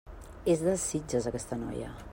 És de Sitges, aquesta noia.